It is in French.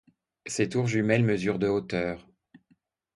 Ses tours jumelles mesurent de hauteur.